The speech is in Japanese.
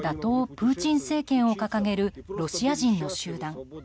プーチン政権を掲げるロシア人の集団。